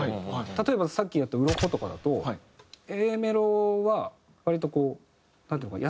例えばさっきやった『鱗』とかだとＡメロは割とこうなんていうのかな